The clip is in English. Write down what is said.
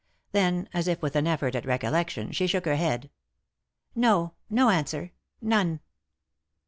Then, as if with an effort at recollection, she shook her head. "No — no answer — none."